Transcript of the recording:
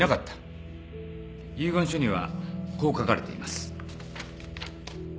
遺言書にはこう書かれています。